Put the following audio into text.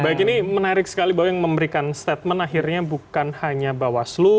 baik ini menarik sekali bahwa yang memberikan statement akhirnya bukan hanya bawaslu